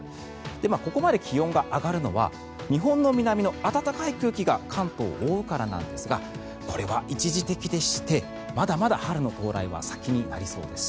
ここまで気温が上がるのは日本の南の暖かい空気が関東を覆うからなんですがこれは一時的でしてまだまだ春の到来は先になりそうです。